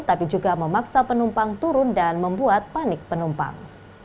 tapi juga memaksa penumpang turun dan membuat panik penumpang